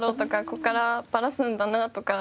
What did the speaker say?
ここからバラすんだなとか